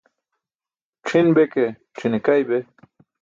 C̣ʰin be ke, c̣ʰine kay be.